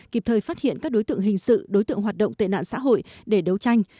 kịp thời phát hiện các đối tượng hình sự đối tượng hoạt động tệ nạn xã hội để đấu tranh